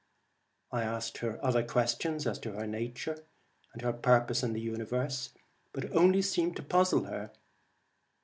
I asked her other questions, as to her nature, and her purpose in the universe, but only seemed to puzzle her.